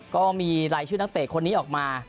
ก็มีรายชื่อนักเตะคนนี้ออกมา